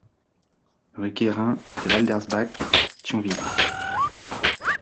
Rue Guérin de Waldersbach, Thionville